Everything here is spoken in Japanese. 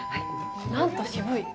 なんと渋い。